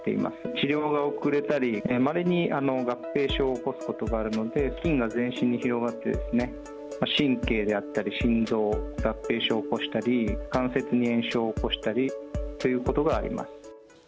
治療が遅れたり、まれに合併症を起こすことがあるので、菌が全身に広がってですね、神経であったり心臓、合併症を起こしたり、関節に炎症を起こしたりということがあります。